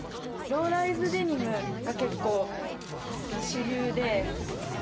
ローライズデニムが結構主流で。